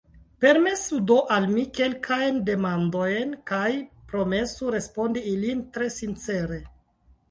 Permesu do al mi kelkajn demandojn kaj promesu respondi ilin tre sincere.